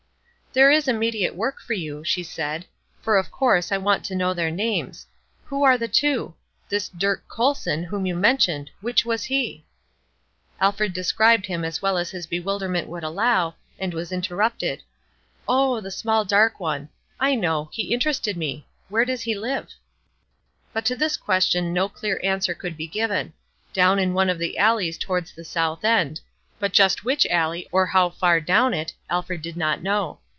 "There is immediate work for you," she said, "for of course I want to know their names. Who are the two? This Dirk Colson, whom you mentioned, which was he?" Alfred described him as well as his bewilderment would allow, and was interrupted "Oh, the small dark one. I know, he interested me. Where does he live?" But to this question no clear answer could be given. Down in one of the alleys towards the South End; but just which alley, or how far down it, Alfred did not know.